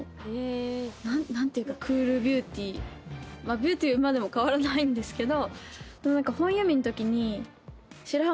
ビューティーは今でも変わらないんですけど。